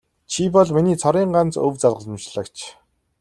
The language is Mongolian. Чи бол миний цорын ганц өв залгамжлагч.